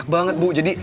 abigkeit untuk anda